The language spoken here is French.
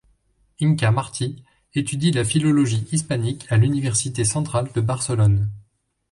Inka Martí étudie la philologie hispanique à l'Université centrale de Barcelone.